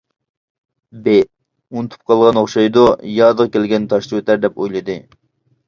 ب: «ئۇنتۇپ قالغان ئوخشايدۇ، يادىغا كەلگەندە تاشلىۋېتەر» دەپ ئويلىدى.